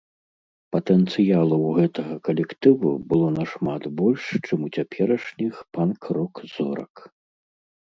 Патэнцыялу ў гэтага калектыву было нашмат больш чым у цяперашніх панк-рок зорак.